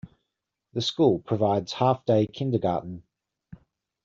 The school provides half day kindergarten.